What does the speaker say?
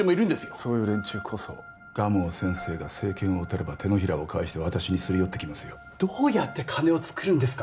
そういう連中こそ蒲生先生が政権をとれば手のひらを返して私にすり寄ってきますよどうやって金をつくるんですか